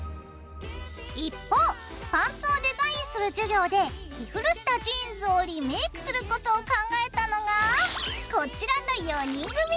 一方パンツをデザインする授業で着古したジーンズをリメイクすることを考えたのがこちらの４人組！